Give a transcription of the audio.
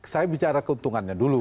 saya bicara keuntungannya dulu